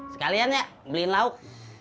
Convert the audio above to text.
sekalian ya beliin lauk